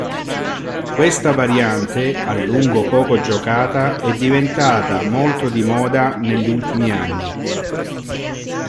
Questa variante, a lungo poco giocata, è diventata molto di moda negli ultimi anni.